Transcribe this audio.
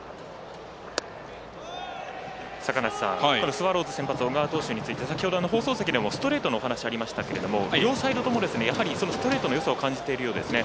スワローズ先発小川投手について先ほど、放送席でもストレートのお話ありましたけど両サイドともそのストレートのよさ感じているようですね。